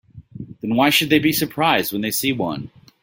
Then why should they be surprised when they see one?